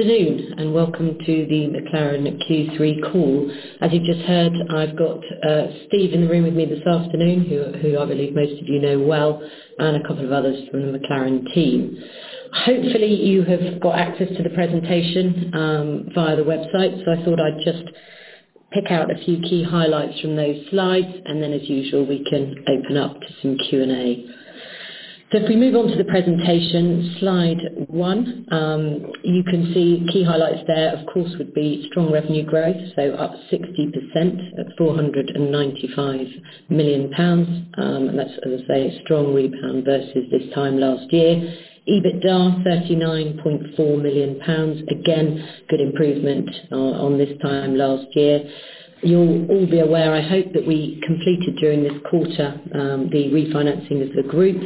Afternoon, welcome to the McLaren Q3 call. As you just heard, I've got Steve in the room with me this afternoon, who I believe most of you know well, and a couple of others from the McLaren team. Hopefully, you have got access to the presentation via the website. I thought I'd just pick out a few key highlights from those slides, and then as usual, we can open up to some Q&A. If we move on to the presentation, slide one. You can see key highlights there, of course, would be strong revenue growth, so up 60% at 495 million pounds. And that's, as I say, a strong rebound versus this time last year. EBITDA 39.4 million pounds. Again, good improvement on this time last year. You'll all be aware, I hope, that we completed during this quarter the refinancing of the group,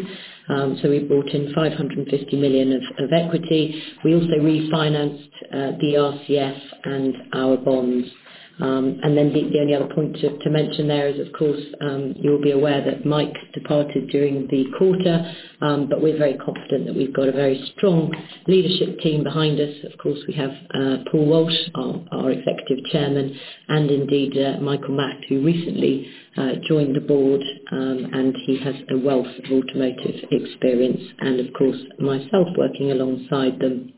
so we brought in 550 million of equity. We also refinanced the RCF and our bonds. The only other point to mention there is, of course, you'll be aware that Mike departed during the quarter, but we're very confident that we've got a very strong leadership team behind us. Of course, we have Paul Walsh, our executive chairman, and indeed, Michael Macht, who recently joined the board, and he has a wealth of automotive experience and of course, myself working alongside them.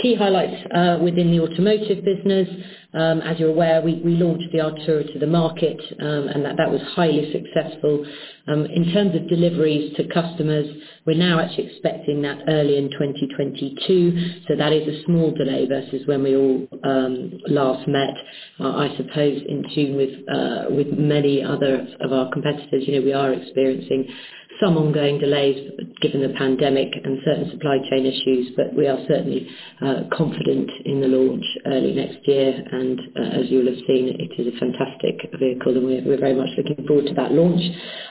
Key highlights within the automotive business. As you're aware, we launched the Artura to the market, and that was highly successful. In terms of deliveries to customers, we're now actually expecting that early in 2022, so that is a small delay versus when we all last met. I suppose in tune with many other of our competitors, you know, we are experiencing some ongoing delays given the pandemic and certain supply chain issues, but we are certainly confident in the launch early next year. As you will have seen, it is a fantastic vehicle, and we're very much looking forward to that launch.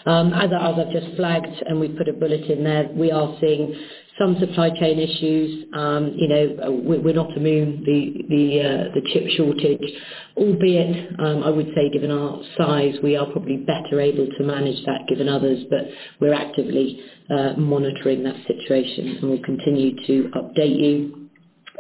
As I've just flagged, and we've put a bullet in there, we are seeing some supply chain issues, you know, we're not immune to the chip shortage, albeit I would say given our size, we are probably better able to manage that given others, but we're actively monitoring that situation, and we'll continue to update you.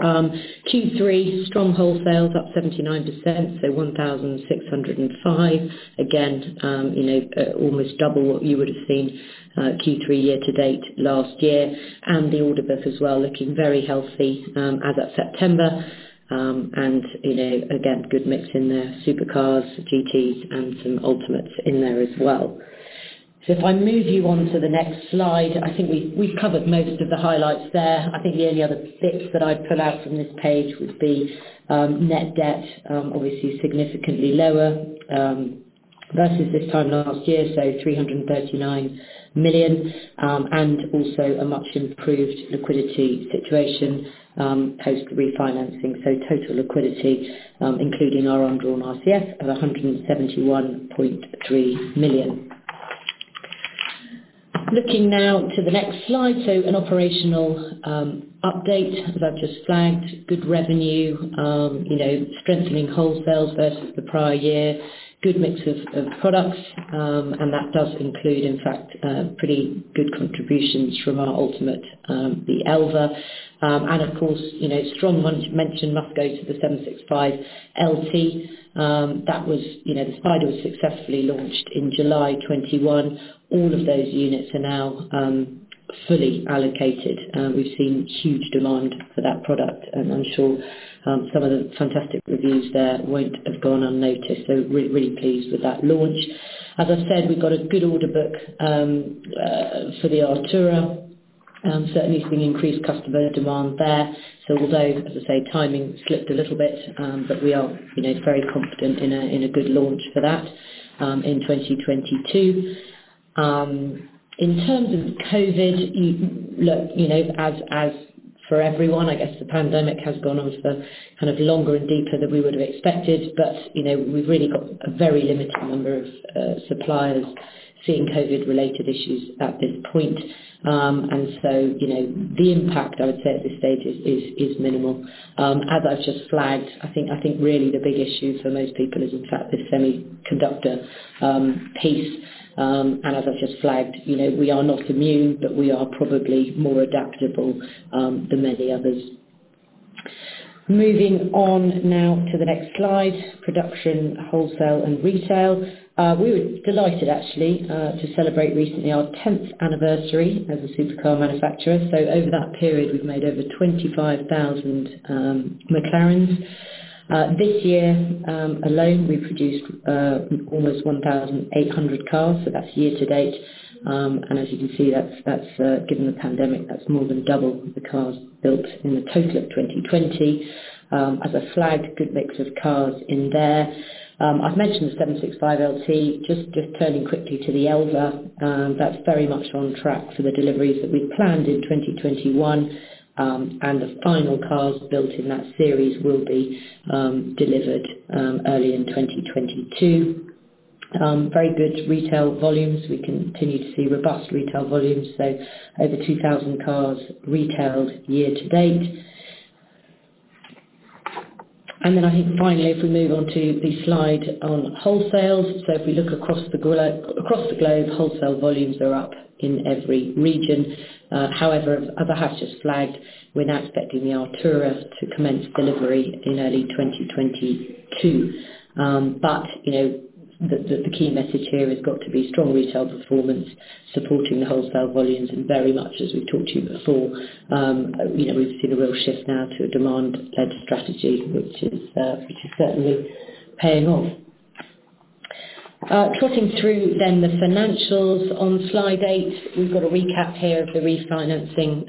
Q3, strong wholesales, up 79%, so 1,605. Again, you know, almost double what you would have seen Q3 year to date last year. The order book as well looking very healthy, as of September, and you know, again, good mix in the supercars, GTs, and some ultimates in there as well. If I move you on to the next slide, I think we've covered most of the highlights there. I think the only other bit that I'd pull out from this page would be net debt, obviously significantly lower versus this time last year, so 339 million, and also a much improved liquidity situation post-refinancing. Total liquidity, including our undrawn RCF of 171.3 million. Looking now to the next slide, an operational update that I've just flagged. Good revenue, you know, strengthening wholesales versus the prior year. Good mix of products, and that does include, in fact, pretty good contributions from our Ultimate, the Elva. Of course, you know, strong mention must go to the 765LT. That was, you know, despite it was successfully launched in July 2021, all of those units are now fully allocated. We've seen huge demand for that product, and I'm sure some of the fantastic reviews there won't have gone unnoticed, so really pleased with that launch. As I said, we've got a good order book for the Artura, certainly seeing increased customer demand there. Although, as I say, timing slipped a little bit, but we are, you know, very confident in a good launch for that in 2022. In terms of COVID, you know, as for everyone, I guess the pandemic has gone on for kind of longer and deeper than we would have expected. You know, we've really got a very limited number of suppliers seeing COVID-related issues at this point. You know, the impact, I would say at this stage is minimal. As I've just flagged, I think really the big issue for most people is in fact the semiconductor piece. As I've just flagged, you know, we are not immune, but we are probably more adaptable than many others. Moving on now to the next slide, production, wholesale, and retail. We were delighted actually to celebrate recently our tenth anniversary as a supercar manufacturer. Over that period, we've made over 25,000 McLarens. This year alone, we've produced almost 1,800 cars, so that's year-to-date. As you can see, that's given the pandemic, that's more than double the cars built in the total of 2020. As I flagged, good mix of cars in there. I've mentioned the 765LT. Just turning quickly to the Elva, that's very much on track for the deliveries that we planned in 2021, and the final cars built in that series will be delivered early in 2022. Very good retail volumes. We continue to see robust retail volumes, so over 2,000 cars retailed year-to-date. I think finally, if we move on to the slide on wholesale. If we look across the globe, wholesale volumes are up in every region. However, as I have just flagged, we're now expecting the Artura to commence delivery in early 2022. You know, the key message here has got to be strong retail performance supporting the wholesale volumes, and very much as we talked to you before, you know, we've seen a real shift now to a demand-led strategy, which is certainly paying off. Flicking through the financials on Slide eight, we've got a recap here of the refinancing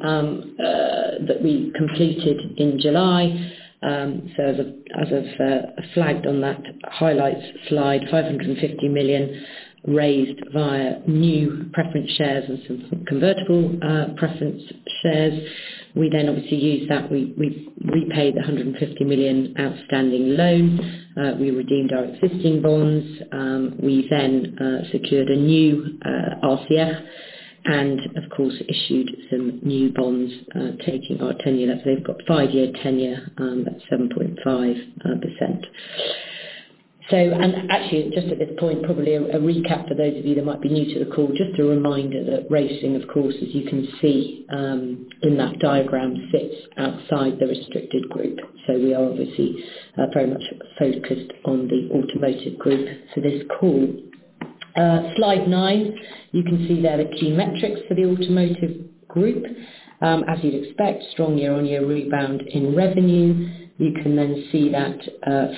that we completed in July. As I've flagged on that highlights slide, 550 million raised via new preference shares and some convertible preference shares. We obviously used that. We repaid the 150 million outstanding loan. We redeemed our existing bonds. We secured a new RCF, and of course, issued some new bonds, extending our tenure, so we've got five-year tenure at 7.5%. Actually, just at this point, probably a recap for those of you that might be new to the call, just a reminder that racing, of course, as you can see in that diagram, sits outside the restricted group. We are obviously very much focused on the automotive group for this call. Slide nine, you can see there the key metrics for the automotive group. As you'd expect, strong year-on-year rebound in revenue. You can then see that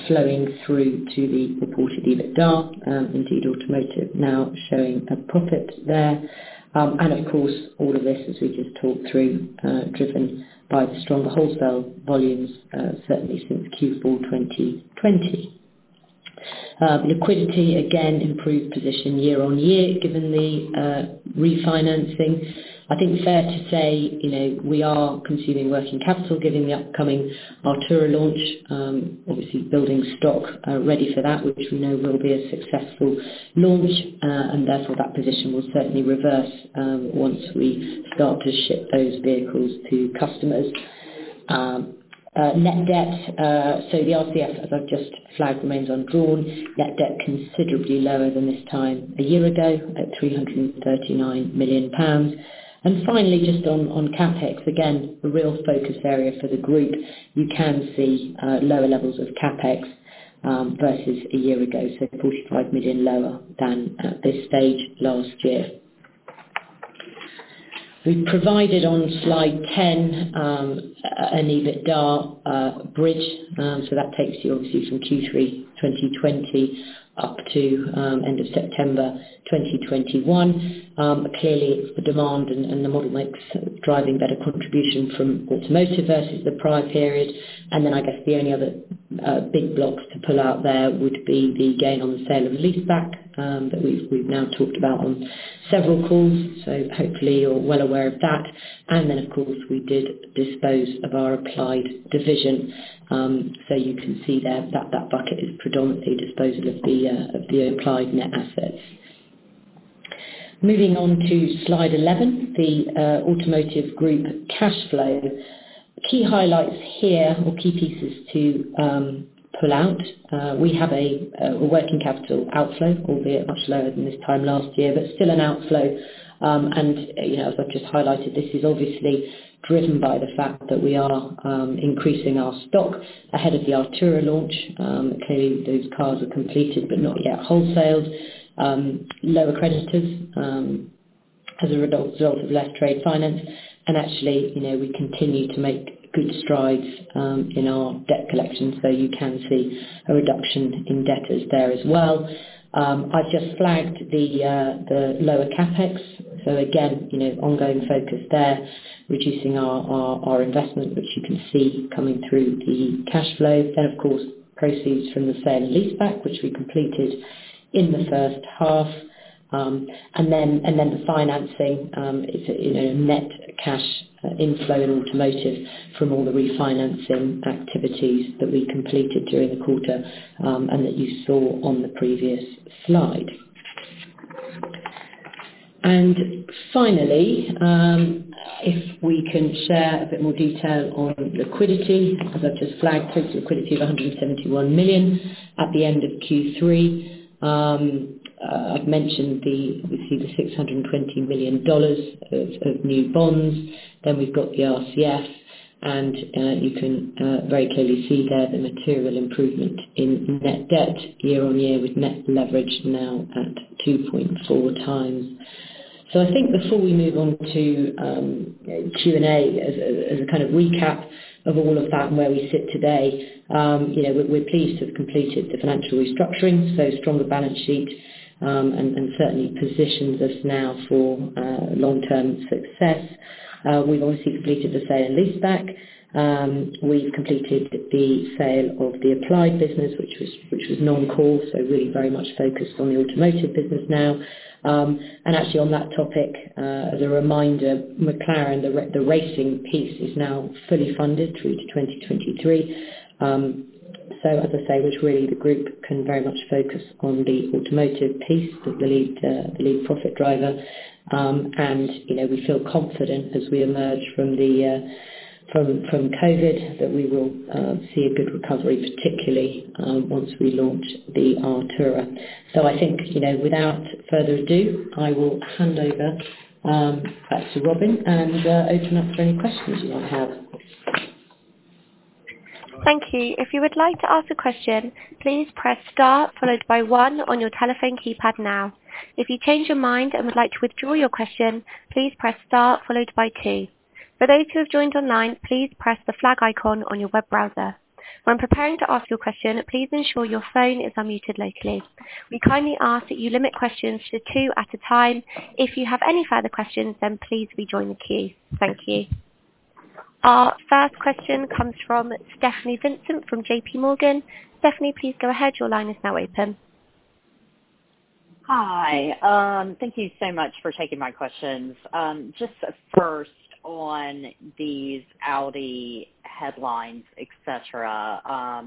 flowing through to the reported EBITDA, indeed automotive now showing a profit there. Of course, all of this as we just talked through, driven by the stronger wholesale volumes, certainly since Q4 2020. Liquidity again improved position year-on-year given the refinancing. I think it's fair to say, you know, we are consuming working capital given the upcoming Artura launch, obviously building stock, ready for that, which we know will be a successful launch, and therefore that position will certainly reverse, once we start to ship those vehicles to customers. Net debt, so the RCF, as I've just flagged, remains undrawn, net debt considerably lower than this time a year ago at 339 million pounds. Finally, just on CapEx, again, the real focus area for the group, you can see lower levels of CapEx versus a year ago, so 45 million lower than at this stage last year. We've provided on slide 10 an EBITDA bridge so that takes you obviously from Q3 2020 up to end of September 2021. Clearly the demand and the model mix driving better contribution from automotive versus the prior period. I guess the only other big blocks to pull out there would be the gain on the sale and leaseback that we've now talked about on several calls, so hopefully you're well aware of that. Then, of course, we did dispose of our Applied division, so you can see there that that bucket is predominantly disposal of the applied net assets. Moving on to slide 11, the Automotive Group cash flow. Key highlights here or key pieces to pull out, we have a working capital outflow, albeit much lower than this time last year, but still an outflow, and, you know, as I've just highlighted, this is obviously driven by the fact that we are increasing our stock ahead of the Artura launch. Clearly those cars are completed but not yet wholesaled. Lower creditors as a result of less trade finance. Actually, you know, we continue to make good strides in our debt collection. You can see a reduction in debtors there as well. I've just flagged the lower CapEx. So again, you know, ongoing focus there, reducing our investment, which you can see coming through the cash flow. Then of course, proceeds from the sale and leaseback, which we completed in the first half. And then the financing is, you know, net cash inflow in automotive from all the refinancing activities that we completed during the quarter, and that you saw on the previous slide. Finally, if we can share a bit more detail on liquidity, as I've just flagged, so it's liquidity of 171 million at the end of Q3. I've mentioned, obviously, the $620 million of new bonds. We've got the RCF, and you can very clearly see there the material improvement in net debt year-over-year with net leverage now at 2.4x. I think before we move on to Q&A, as a kind of recap of all of that and where we sit today, you know, we're pleased to have completed the financial restructuring, so stronger balance sheet, and certainly positions us now for long-term success. We've obviously completed the sale and leaseback. We've completed the sale of McLaren Applied, which was non-core, so really very much focused on the automotive business now. And actually on that topic, as a reminder, McLaren Racing is now fully funded through to 2023. As I say, which really the group can very much focus on the automotive piece as the lead profit driver. You know, we feel confident as we emerge from COVID that we will see a good recovery, particularly once we launch the Artura. I think, you know, without further ado, I will hand over back to Robin and open up for any questions you might have. Thank you. If you would like to ask a question, please press star followed by one on your telephone keypad now. If you change your mind and would like to withdraw your question, please press star followed by two. For those who have joined online, please press the flag icon on your web browser. When preparing to ask your question, please ensure your phone is unmuted locally. We kindly ask that you limit questions to two at a time. If you have any further questions, please rejoin the queue. Thank you. Our first question comes from Stephanie Vincent from J.P. Morgan. Stephanie, please go ahead. Your line is now open. Hi. Thank you so much for taking my questions. Just first on these Audi headlines, et cetera,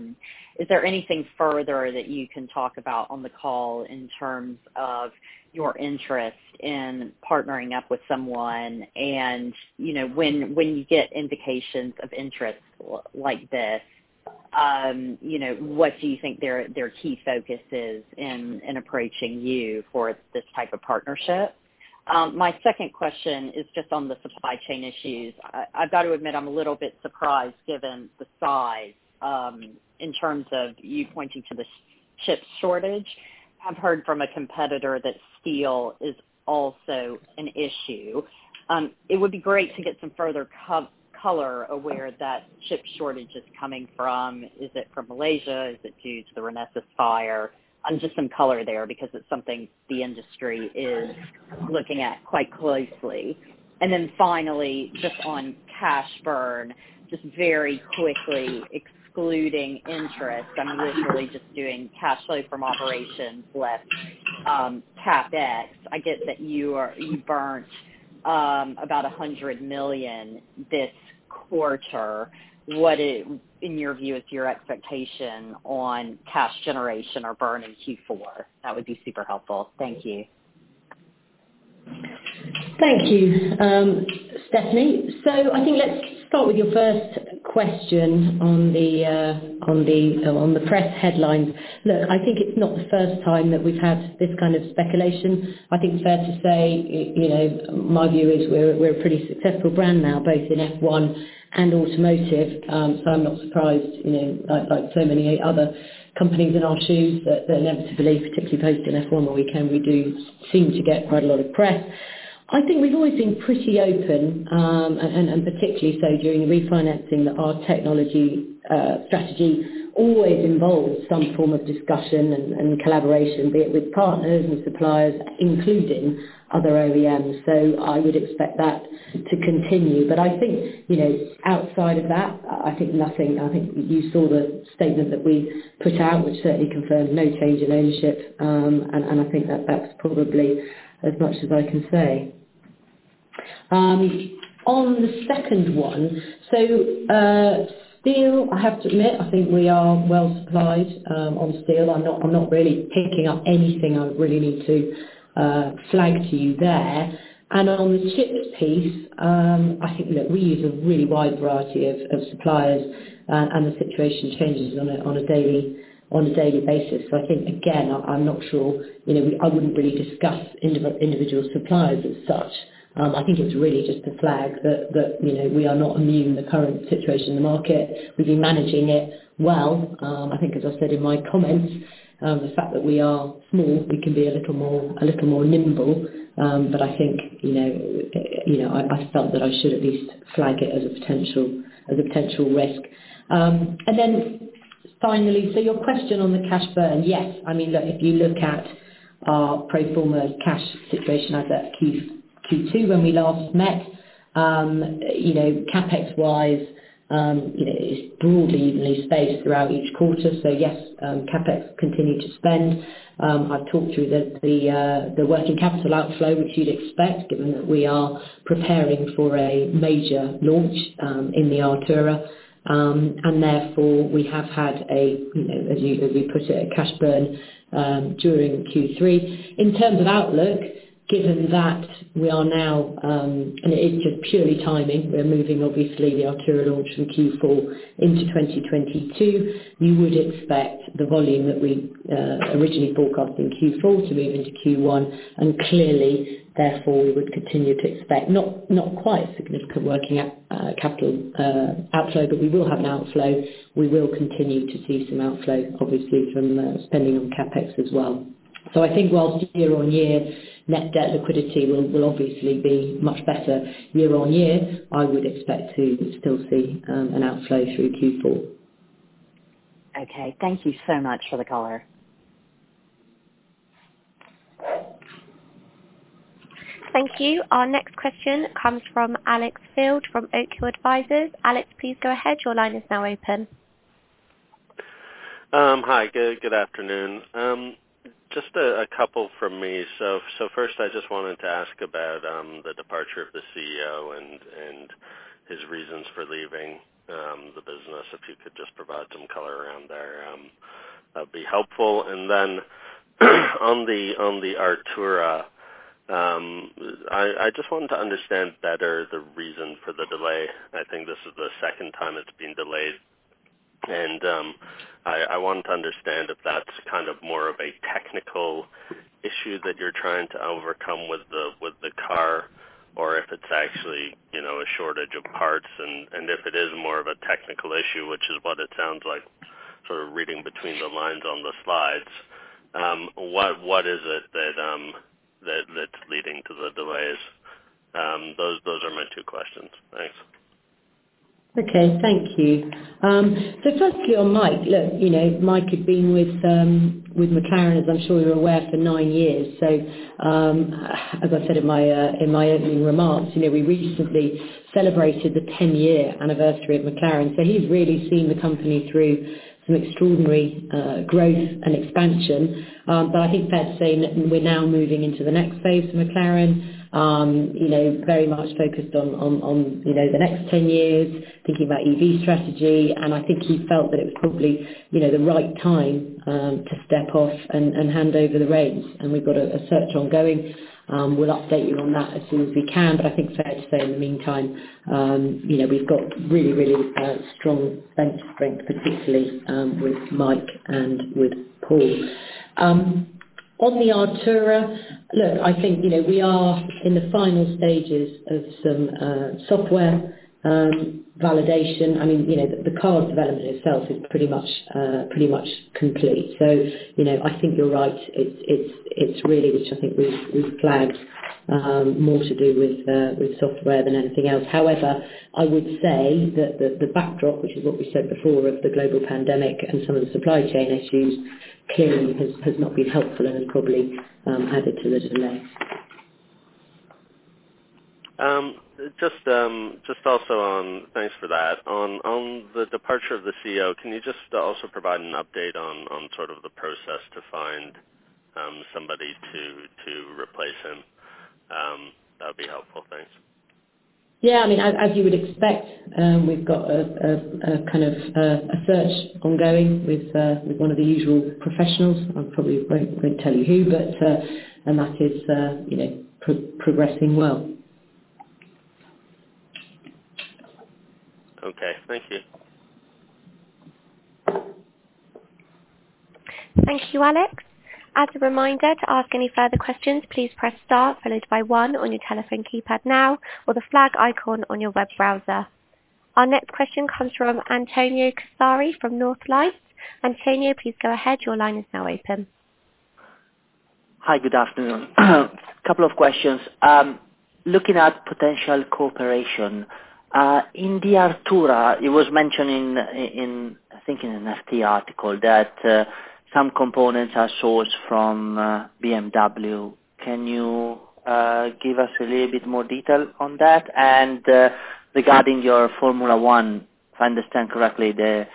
is there anything further that you can talk about on the call in terms of your interest in partnering up with someone and, you know, when you get indications of interest like this, you know, what do you think their key focus is in approaching you for this type of partnership? My second question is just on the supply chain issues. I've got to admit, I'm a little bit surprised given the size, in terms of you pointing to the chip shortage. I've heard from a competitor that steel is also an issue. It would be great to get some further color on where that chip shortage is coming from. Is it from Malaysia? Is it due to the Renesas fire? Just some color there because it's something the industry is looking at quite closely. Then finally, just on cash burn, just very quickly excluding interest, I'm literally just doing cash flow from operations less CapEx. I get that you burnt about 100 million this quarter. What is, in your view, your expectation on cash generation or burn in Q4? That would be super helpful. Thank you. Thank you, Stephanie. I think let's start with your first question on the press headlines. Look, I think it's not the first time that we've had this kind of speculation. I think it's fair to say, you know, my view is we're a pretty successful brand now, both in F1 and automotive, so I'm not surprised, you know, like so many other companies in our shoes that inevitably, particularly post an F1 where we do seem to get quite a lot of press. I think we've always been pretty open, and particularly so during refinancing, that our technology strategy always involves some form of discussion and collaboration, be it with partners, with suppliers, including other OEMs. I would expect that to continue. But I think, you know, outside of that, I think nothing... I think you saw the statement that we put out, which certainly confirms no change in ownership, and I think that that's probably as much as I can say. On the second one, steel, I have to admit, I think we are well-supplied on steel. I'm not really picking up anything I really need to flag to you there. On the chips piece, I think that we use a really wide variety of suppliers, and the situation changes on a daily basis. I think, again, I'm not sure. You know, I wouldn't really discuss individual suppliers as such. I think it's really just to flag that, you know, we are not immune in the current situation in the market. We've been managing it well. I think as I said in my comments, the fact that we are small, we can be a little more nimble. I think, you know, I felt that I should at least flag it as a potential risk. Finally, your question on the cash burn. Yes. I mean, look, if you look at our pro forma cash situation as at Q2 when we last met, you know, CapEx-wise, you know, it's broadly evenly spaced throughout each quarter. Yes, CapEx continue to spend. I've talked through the working capital outflow, which you'd expect given that we are preparing for a major launch in the Artura. Therefore, we have had a, you know, as we put it, a cash burn during Q3. In terms of outlook, given that we are now, and it is just purely timing, we are moving obviously the Artura launch from Q4 into 2022, you would expect the volume that we originally forecast in Q4 to move into Q1. Clearly therefore, we would continue to expect not quite a significant working capital outflow, but we will have an outflow. We will continue to see some outflow obviously from spending on CapEx as well. I think while year-over-year net debt liquidity will obviously be much better year-over-year, I would expect to still see an outflow through Q4. Okay. Thank you so much for the color. Thank you. Our next question comes from Alex Field from Oak Hill Advisors. Alex, please go ahead. Your line is now open. Hi. Good afternoon. Just a couple from me. First, I just wanted to ask about the departure of the CEO and his reasons for leaving. If you could just provide some color around there, that'd be helpful. Then on the Artura, I just want to understand better the reason for the delay. I think this is the second time it's been delayed. I want to understand if that's kind of more of a technical issue that you're trying to overcome with the car or if it's actually, you know, a shortage of parts, and if it is more of a technical issue, which is what it sounds like sort of reading between the lines on the slides, what is it that's leading to the delays? Those are my two questions. Thanks. Okay, thank you. Firstly on Mike. Look, you know, Mike had been with McLaren, as I'm sure you're aware, for nine years. As I said in my opening remarks, you know, we recently celebrated the 10-year anniversary of McLaren. He's really seen the company through some extraordinary growth and expansion. I think fair to say that we're now moving into the next phase for McLaren, you know, very much focused on the next 10 years, thinking about EV strategy, and I think he felt that it was probably, you know, the right time to step off and hand over the reins. We've got a search ongoing. We'll update you on that as soon as we can. I think fair to say in the meantime, you know, we've got really strong bench strength, particularly with Mike and with Paul. On the Artura. Look, I think, you know, we are in the final stages of some software validation. I mean, you know, the car development itself is pretty much complete. So, you know, I think you're right. It's really, which I think we've flagged, more to do with software than anything else. However, I would say that the backdrop, which is what we said before, of the global pandemic and some of the supply chain issues clearly has not been helpful and has probably added to the delay. Just also on the departure of the CEO, thanks for that. Can you just also provide an update on sort of the process to find somebody to replace him? That'd be helpful. Thanks. Yeah. I mean, as you would expect, we've got a kind of search ongoing with one of the usual professionals. I probably won't tell you who, but that is, you know, progressing well. Okay. Thank you. Thank you, Alex. As a reminder, to ask any further questions, please press star followed by one on your telephone keypad now or the flag icon on your web browser. Our next question comes from Antonio Casari from Northlight. Antonio, please go ahead. Your line is now open. Hi. Good afternoon. Couple of questions. Looking at potential cooperation in the Artura, it was mentioned in I think in an FT article that some components are sourced from BMW. Can you give us a little bit more detail on that? Regarding your Formula One, if I understand correctly, the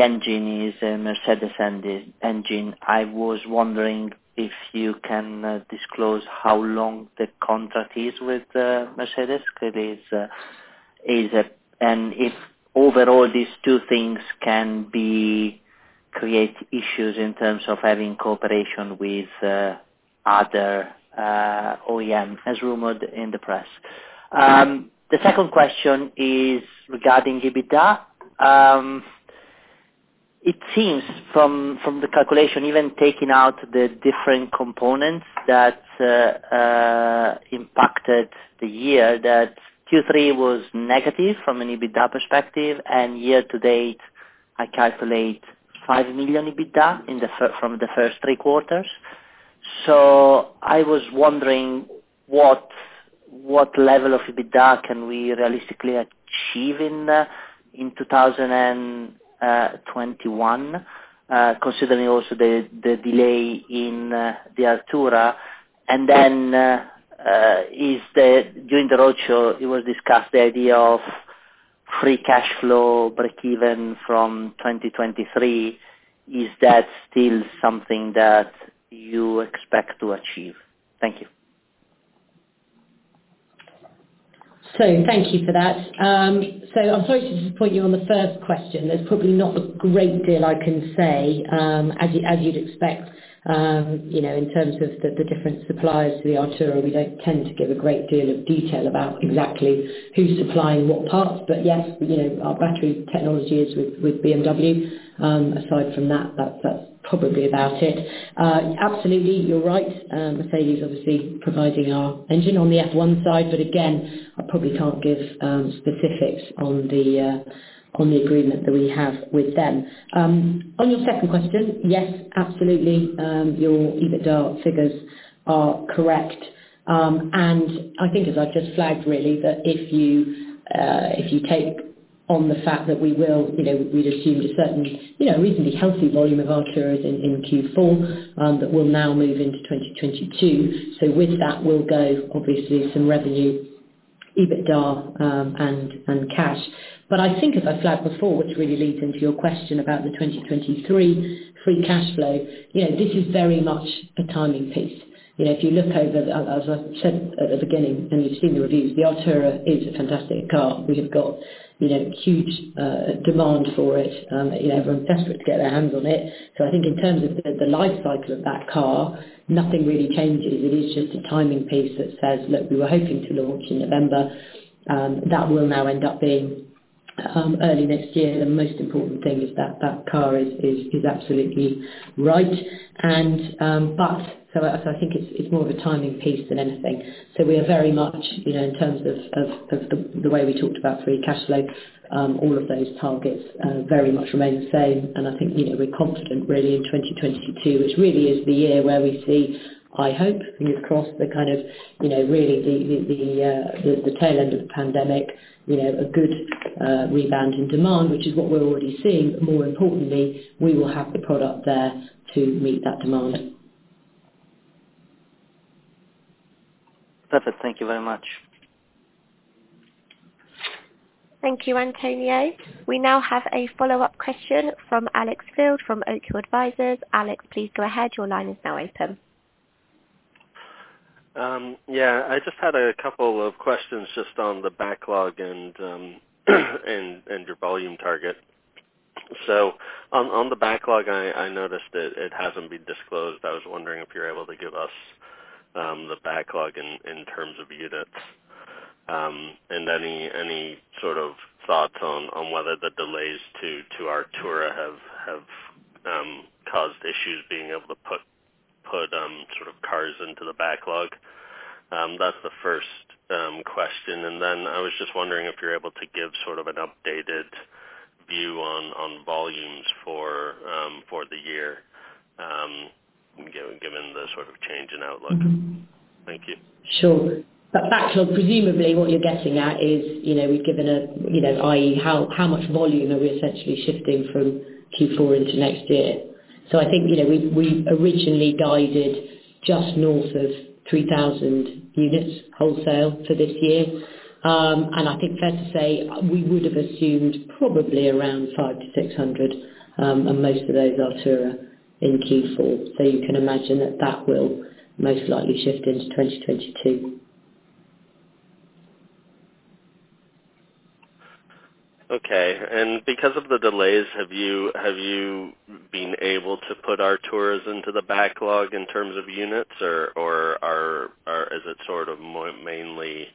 engine is a Mercedes engine. I was wondering if you can disclose how long the contract is with Mercedes. Is it... If overall these two things can create issues in terms of having cooperation with other OEMs as rumored in the press. The second question is regarding EBITDA. It seems from the calculation, even taking out the different components that impacted the year, that Q3 was negative from an EBITDA perspective. Year-to-date, I calculate 5 million EBITDA from the first three quarters. I was wondering what level of EBITDA can we realistically achieve in 2021, considering also the delay in the Artura? During the roadshow, it was discussed the idea of free cash flow breakeven from 2023. Is that still something that you expect to achieve? Thank you. Thank you for that. I'm sorry to disappoint you on the first question. There's probably not a great deal I can say. As you'd expect, you know, in terms of the different suppliers to the Artura, we don't tend to give a great deal of detail about exactly who's supplying what parts. Yes, you know, our battery technology is with BMW. Aside from that's probably about it. Absolutely, you're right. Mercedes-Benz obviously providing our engine on the F1 side, but again, I probably can't give specifics on the agreement that we have with them. On your second question, yes, absolutely. Your EBITDA figures are correct. I think as I just flagged really that if you take on the fact that we will, you know, we'd assumed a certain, you know, reasonably healthy volume of Artura in Q4, that will now move into 2022. So with that will go obviously some revenue, EBITDA, and cash. But I think as I flagged before, which really leads into your question about the 2023 free cash flow, you know, this is very much a timing piece. If you look over, as I said at the beginning, and you've seen the reviews, the Artura is a fantastic car. We have got huge demand for it. Everyone's desperate to get their hands on it. So I think in terms of the life cycle of that car, nothing really changes. It is just a timing piece that says, look, we were hoping to launch in November. That will now end up being early next year. The most important thing is that that car is absolutely right. But so I think it's more of a timing piece than anything. We are very much in terms of the way we talked about free cash flows, all of those targets very much remain the same. I think we're confident really in 2022, which really is the year where we see, I hope, fingers crossed, the kind of really the tail end of the pandemic, you know, a good rebound in demand, which is what we're already seeing. More importantly, we will have the product there to meet that demand. Perfect. Thank you very much. Thank you, Antonio. We now have a follow-up question from Alex Field from Oak Hill Advisors. Alex, please go ahead. Your line is now open. Yeah, I just had a couple of questions just on the backlog and your volume target. On the backlog, I noticed that it hasn't been disclosed. I was wondering if you're able to give us the backlog in terms of units and any sort of thoughts on whether the delays to Artura have caused issues being able to put sort of cars into the backlog. That's the first question. I was just wondering if you're able to give sort of an updated view on volumes for the year given the sort of change in outlook. Thank you. Sure. Backlog, presumably what you're getting at is, you know, we've given a, you know, i.e., how much volume are we essentially shifting from Q4 into next year. I think, you know, we originally guided just north of 3,000 units wholesale for this year. I think fair to say, we would have assumed probably around 500-600, and most of those Artura in Q4. You can imagine that will most likely shift into 2022. Okay. Because of the delays, have you been able to put Artura into the backlog in terms of units or is it sort of mainly,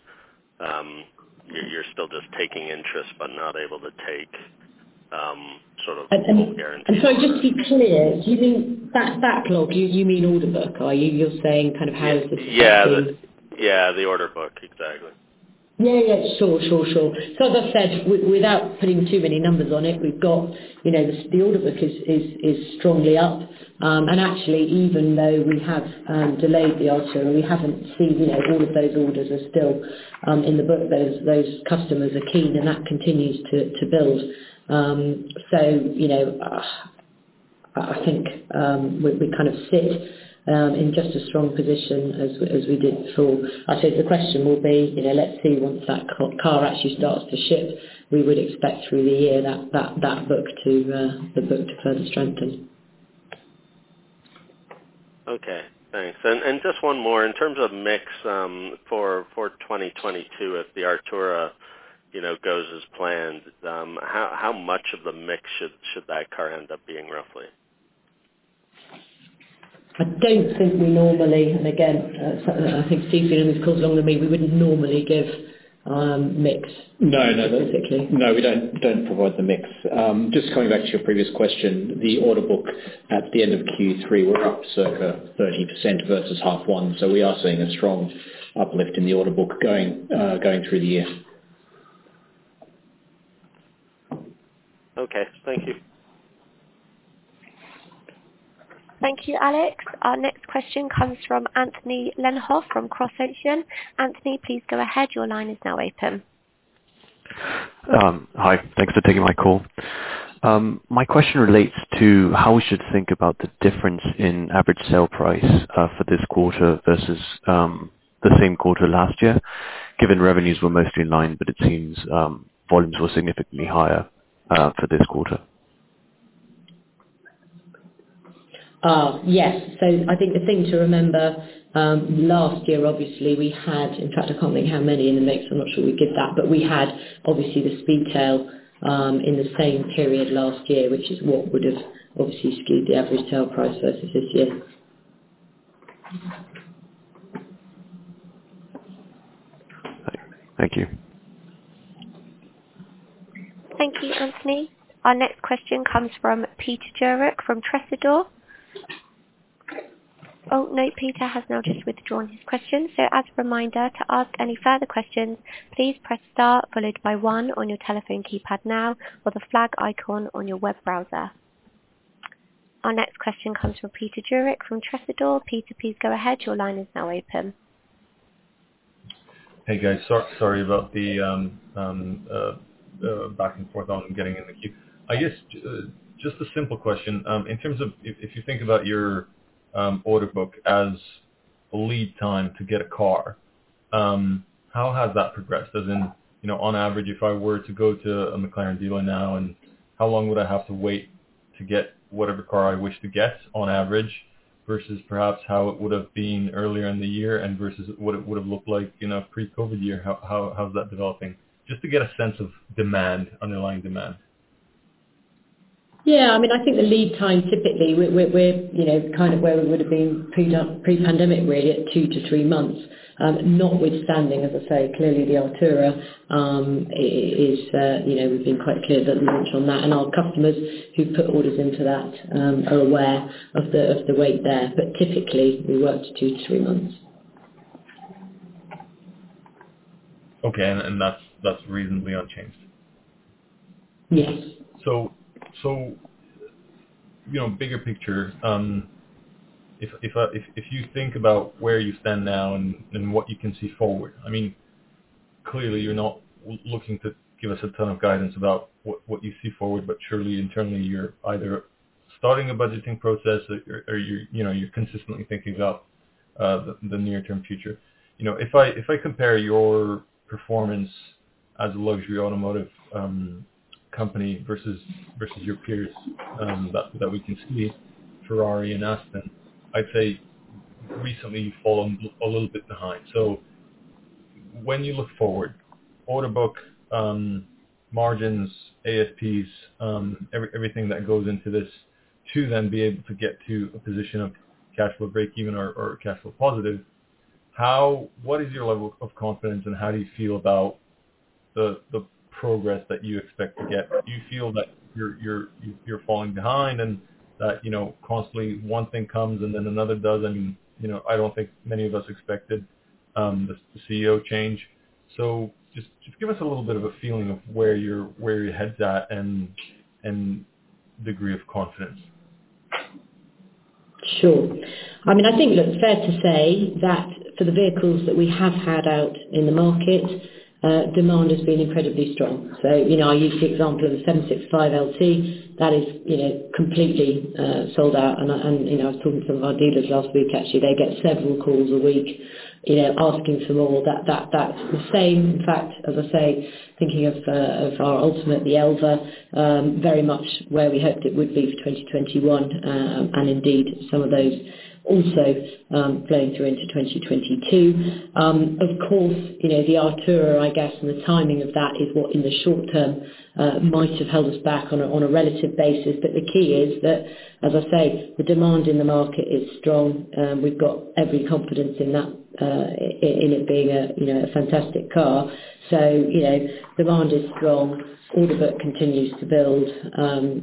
you're still just taking interest but not able to take sort of guarantees? I'm sorry, just to be clear, using that backlog, you mean order book, are you? You're saying kind of how is this affecting- Yeah. The order book. Exactly. Yeah. Sure. As I said, without putting too many numbers on it, we've got, you know, the order book is strongly up. Actually, even though we have delayed the Artura, we haven't seen, you know, all of those orders are still in the book. Those customers are keen, and that continues to build. You know, I think we kind of sit in just a strong position as we did before. I think the question will be, you know, let's see, once that car actually starts to ship, we would expect through the year that book to further strengthen. Okay, thanks. Just one more. In terms of mix, for 2022, if the Artura, you know, goes as planned, how much of the mix should that car end up being roughly? I don't think we normally. Again, I think Stephen on this call is longer than me. We wouldn't normally give mix. No, no. Specifically. No, we don't provide the mix. Just coming back to your previous question, the order book at the end of Q3, we're up circa 30% versus H1. We are seeing a strong uplift in the order book going through the year. Okay, thank you. Thank you, Alex. Our next question comes from Anthony Sheed from CrossOcean Partners. Anthony, please go ahead. Your line is now open. Hi. Thanks for taking my call. My question relates to how we should think about the difference in average sale price for this quarter versus the same quarter last year, given revenues were mostly in line, but it seems volumes were significantly higher for this quarter. Yes. I think the thing to remember, last year, obviously, we had, in fact, I can't think how many in the mix. I'm not sure we give that. We had obviously the Speedtail in the same period last year, which is what would have obviously skewed the average sale price versus this year. Thank you. Thank you, Anthony. Our next question comes from Peter Jurik from Tresidor. Oh, no, Peter has now just withdrawn his question. As a reminder to ask any further questions, please press star followed by one on your telephone keypad now or the flag icon on your web browser. Our next question comes from Peter Jurik from Tresidor. Peter, please go ahead. Your line is now open. Hey, guys. Sorry about the back and forth on getting in the queue. I guess just a simple question. In terms of if you think about your order book as lead time to get a car, how has that progressed? As in, you know, on average, if I were to go to a McLaren dealer now and how long would I have to wait to get whatever car I wish to get on average versus perhaps how it would have been earlier in the year and versus what it would have looked like in a pre-COVID year. How is that developing? Just to get a sense of demand, underlying demand. Yeah. I mean, I think the lead time typically we're, you know, kind of where we would have been pre-pandemic, really at two to three months. Notwithstanding, as I say, clearly the Artura is, you know, we've been quite clear that we launched on that, and our customers who put orders into that are aware of the wait there. Typically we work two to three months. Okay. That's reasonably unchanged? Yes. You know, bigger picture, if you think about where you stand now and what you can see forward. I mean, clearly you're not looking to give us a ton of guidance about what you see forward, but surely internally you're either starting a budgeting process or you're consistently thinking about the near-term future. You know, if I compare your performance as a luxury automotive company versus your peers that we can see Ferrari and Aston, I'd say recently you've fallen a little bit behind. When you look forward, order book, margins, ASPs, everything that goes into this to then be able to get to a position of cash flow breakeven or cash flow positive, how... What is your level of confidence, and how do you feel about the progress that you expect to get? Do you feel that you're falling behind and that, you know, constantly one thing comes and then another does, you know, I don't think many of us expected the CEO change. Just give us a little bit of a feeling of where your head's at and degree of confidence. Sure. I mean, I think it's fair to say that for the vehicles that we have had out in the market, demand has been incredibly strong. You know, I used the example of the 765LT that is, you know, completely sold out. You know, I was talking to some of our dealers last week, actually, they get several calls a week, you know, asking for more. That's the same fact, as I say, thinking of our Ultimate, the Elva, very much where we hoped it would be for 2021, and indeed some of those also going through into 2022. Of course, you know, the Artura, I guess, and the timing of that is what in the short term might have held us back on a relative basis. The key is that, as I say, the demand in the market is strong, we've got every confidence in that, in it being a, you know, a fantastic car. You know, demand is strong. Order book continues to build,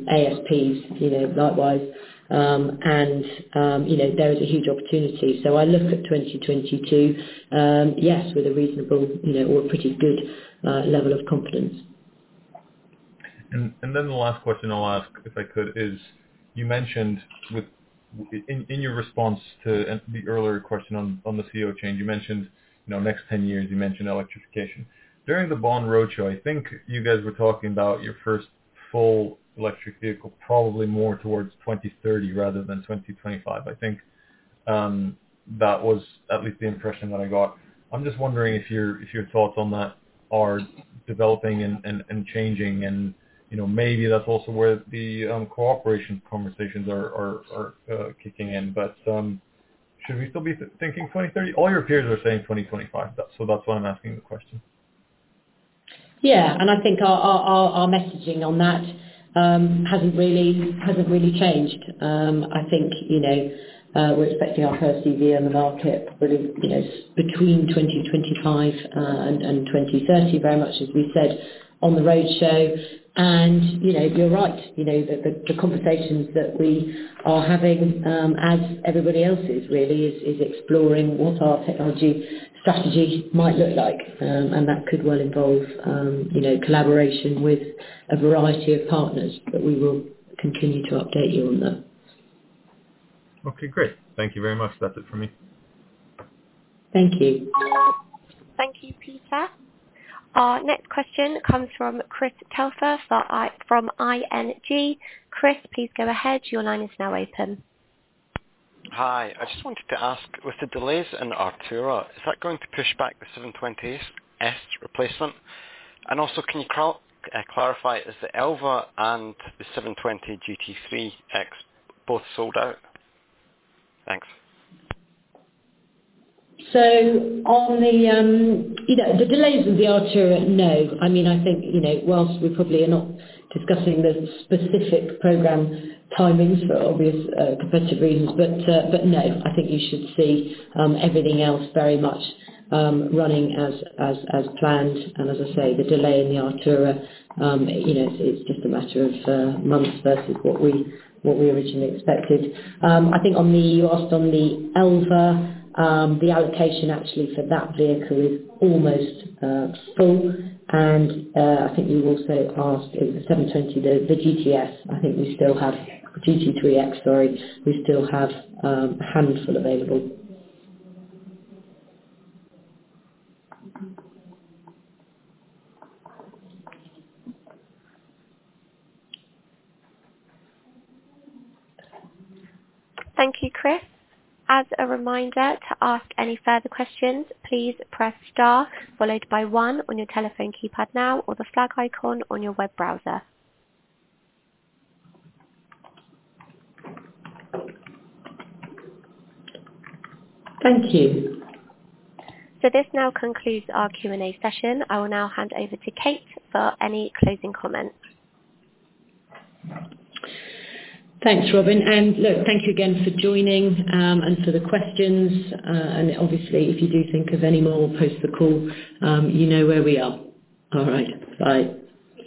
ASPs, you know, likewise. You know, there is a huge opportunity. I look at 2022, yes, with a reasonable, you know, or pretty good, level of confidence. Then the last question I'll ask, if I could, is you mentioned in your response to the earlier question on the CEO change, you mentioned, you know, next 10 years, you mentioned electrification. During the bond roadshow, I think you guys were talking about your first full electric vehicle, probably more towards 2030 rather than 2025. I think that was at least the impression that I got. I'm just wondering if your thoughts on that are developing and changing and, you know, maybe that's also where the cooperation conversations are kicking in. But should we still be thinking 2030? All your peers are saying 2025. That's why I'm asking the question. Yeah. I think our messaging on that hasn't really changed. I think, you know, we're expecting our first EV on the market probably, you know, between 2025 and 2030, very much as we said on the roadshow. You know, you're right, you know, the conversations that we are having as everybody else is really exploring what our technology strategy might look like. That could well involve, you know, collaboration with a variety of partners, but we will continue to update you on that. Okay, great. Thank you very much. That's it from me. Thank you. Thank you, Peter. Our next question comes from Chris Telfer from ING. Chris, please go ahead. Your line is now open. Hi. I just wanted to ask, with the delays in Artura, is that going to push back the 720S replacement? Also, can you clarify, is the Elva and the 720S GT3X both sold out? Thanks. On the delays of the Artura, no. I mean, I think, you know, while we probably are not discussing the specific program timings for obvious competitive reasons, but no, I think you should see everything else very much running as planned. As I say, the delay in the Artura, you know, it's just a matter of months versus what we originally expected. I think on the... You asked on the Elva, the allocation actually for that vehicle is almost full. I think you also asked if the 720, the GTS, I think we still have GT3X. Sorry. We still have a handful available. Thank you, Chris. As a reminder to ask any further questions, please press star followed by one on your telephone keypad now or the flag icon on your web browser. Thank you. This now concludes our Q&A session. I will now hand over to Kate for any closing comments. Thanks, Robin. Look, thank you again for joining, and for the questions. Obviously if you do think of any more post the call, you know where we are. All right, bye.